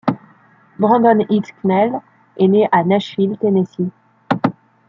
Brandon Heath Knell est né à Nashville, Tennessee.